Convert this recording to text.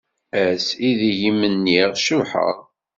Ass ideg i m-nniɣ tcebḥeḍ.